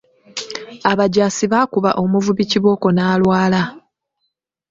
Abajaasi baakuba omuvubi kibooko n’alwala.